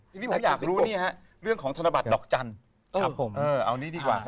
ทีนี้ผมอยากรู้นี่ฮะเรื่องของธนบัตรดอกจันทร์เอานี้ดีกว่า